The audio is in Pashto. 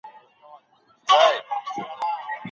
چي د جنګي ماتوونکی یا فاتح معنا لري